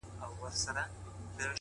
ما په خريلي مخ الله ته سجده وکړه~